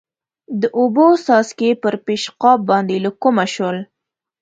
د اوبو څاڅکي پر پېشقاب باندې له کومه شول؟